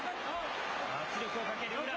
圧力をかける宇良。